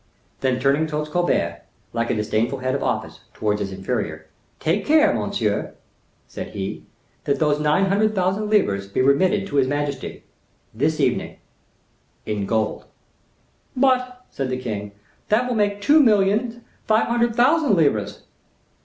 Then turning towards Colbert, like a disdainful head of office towards his inferior, "Take care, monsieur," said he, "that those nine hundred thousand livres be remitted to his majesty this evening, in gold." "But," said the king, "that will make two millions five hundred thousand livres."